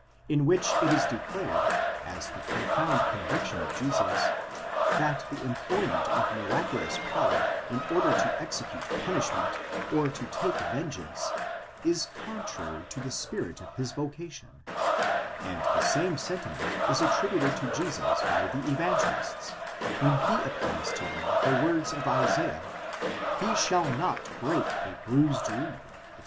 in which it is declared, as the profound conviction of Jesus, that the employment of miraculous power in order to execute punishment or to take vengeance, is contrary to the spirit of his vocation; and the same sentiment is attributed to Jesus by the Evangelist, when he applies to him the words of Isaiah: He shall not break a bruised reed, etc.